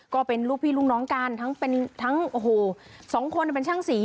ก็เป็นลูกพี่ลูกน้องกันทั้งเป็นทั้งโอ้โหสองคนเป็นช่างสี